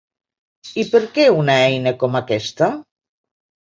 I per què una eina com aquesta?